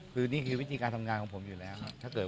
คือนี่คือวิธีการทำงานของผมอยู่แล้ว